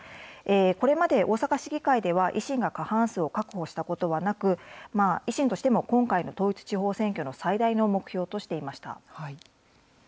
これまで大阪市議会では、維新が過半数を確保したことはなく、維新としても、今回の統一地方選挙の最大の目標としていました。